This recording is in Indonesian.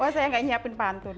wah saya gak nyiapin pantun